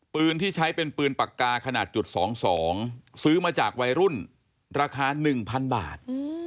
ปืนที่ใช้เป็นปืนปากกาขนาดจุด๒๒ซื้อมาจากวัยรุ่นราคา๑๐๐๐บาท